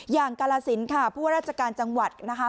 อย่างกาลสินค่ะผู้ราชการจังหวัดนะคะ